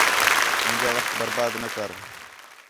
مینجا وخت برباد نہ کر